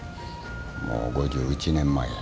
もう５１年前や。